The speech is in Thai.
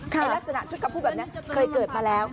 ลักษณะชุดกับผู้แบบนี้เคยเกิดมาแล้ว